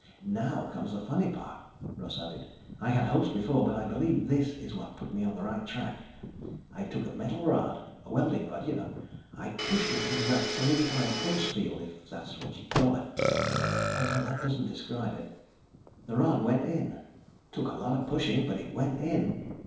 "Now comes the funny part," Russ added. "I had hopes before, but I believe this is what put me on the right track. I took a metal rod, a welding rod, you know. I pushed it into that solidified force field, if that is what you'd call it ... although that doesn't describe it. The rod went in. Took a lot of pushing, but it went in.